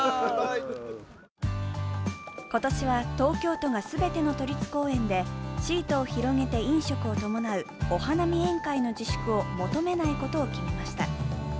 今年は東京都が全ての都立公園でシートを広げて飲食を伴うお花見宴会の自粛を求めないことを決めました。